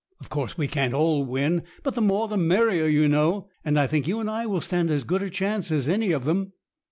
Of course we can't all win, but the more the merrier, you know, and I think you and I will stand as good a chance as any of them."